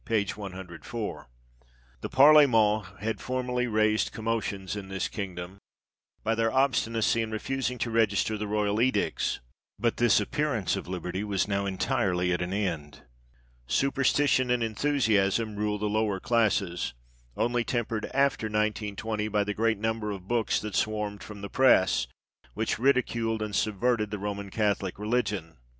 104). "The Parle ments had formerly raised commotions in this kingdom r by their obstinacy in refusing to register the royal edicts: but this appearance of liberty was now entirely at an end." " Superstition and enthusiam " rule the lower classes, only tempered after 1920 by "the great number of books that swarmed from the press, which ridiculed and subverted the Roman Catholic religion."